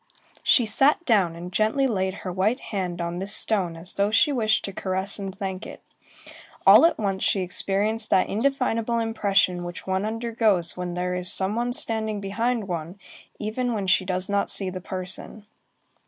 She sat down, and gently laid her white hand on this stone as though she wished to caress and thank it. All at once, she experienced that indefinable impression which one undergoes when there is some one standing behind one, even when she does not see the person.